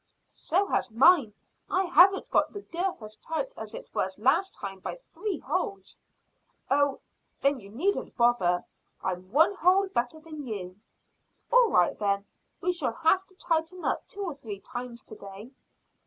"So has mine. I haven't got the girth as tight as it was last time by three holes." "Oh! Then you needn't bother. I'm one hole better than you." "All right, then. We shall have to tighten up two or three times to day."